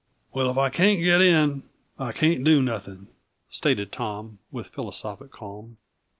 "Well, if I can't get in, I can't do nothing," stated Tom, with philosophic calm.